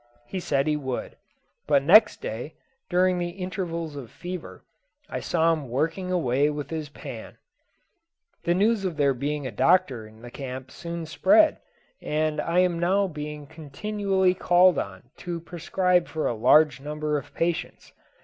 He said he would; but next day, during the intervals of fever, I saw him working away with his pan. The news of there being a doctor in the camp soon spread, and I am now being continually called on to prescribe for a large number of patients.